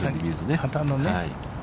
旗のね。